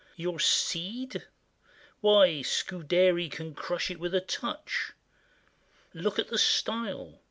Your "Cid"—why Scudéry can crush it with A touch! Look at the style!